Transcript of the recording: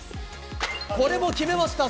これも決めました。